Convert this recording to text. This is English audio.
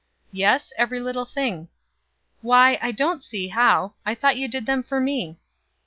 "Yes; every little thing." "Why, I don't see how. I thought you did them for me."